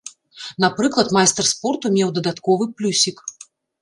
Напрыклад, майстар спорту меў дадатковы плюсік.